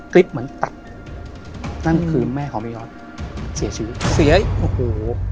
คลิปเหมือนตัดนั่นคือแม่ของพี่ยอดเสียชีวิตเสียโอ้โห